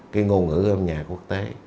cái ngôn ngữ âm nhạc quốc tế